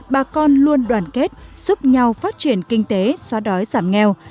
bà con luôn đoàn kết giúp nhau phát triển kinh tế xóa đói giảm nghèo